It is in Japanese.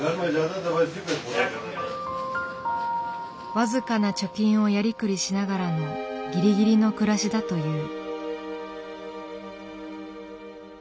僅かな貯金をやりくりしながらのぎりぎりの暮らしだという。